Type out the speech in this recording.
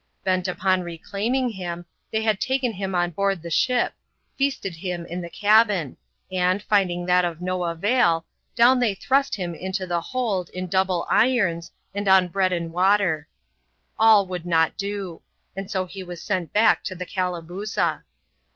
Bent upon reclaiming him, they had taken him on board the ship; feasted him in the cabin; and, finding that of no avail, down they thrust him into the hold, in double irons, and on bread and water. All would not do ; and so he was sent back to the Calabooza.